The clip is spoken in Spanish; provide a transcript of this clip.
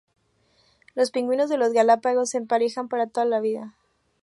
Los pingüinos de las Galápagos se emparejan para toda la vida.